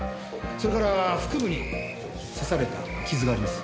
それから腹部に刺された傷があります。